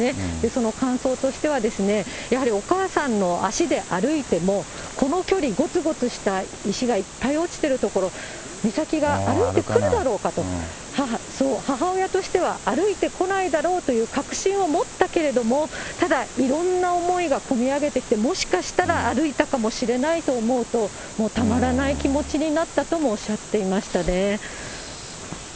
その感想としては、やはりお母さんの足で歩いても、この距離、ごつごつした石がいっぱい落ちてる所、美咲が歩いてくるだろうかと、母親としては、歩いてこないだろうという確信を持ったけれども、ただいろんな思いがこみ上げてきて、もしかしたら歩いたかもしれないと思うと、もうたまらない気持ちになったともおっしゃっていましたね。